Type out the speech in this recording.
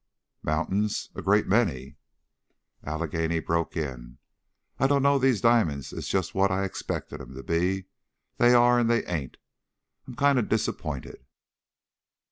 "Mountains? A great many." Allegheny broke in: "I dunno's these di'mon's is just what I expected 'em to be. They are and they ain't. I'm kind of disapp'inted."